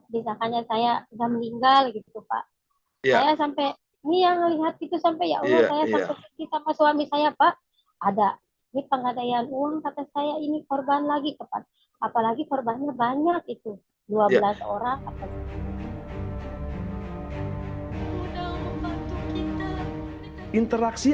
bisa kanya saya sudah meninggal gitu pak